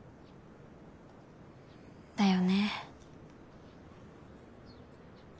だよね。